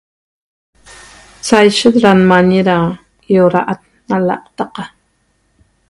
Saishet da nmañe da iora'a na laqtaca